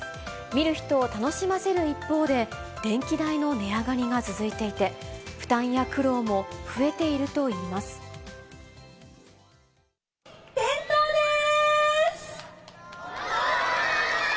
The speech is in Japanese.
見る人を楽しませる一方で、電気代の値上がりが続いていて、負担や苦労も増えているといいま点灯です。